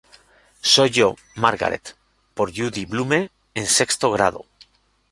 Soy yo, Margaret" por Judy Blume en sexto grado.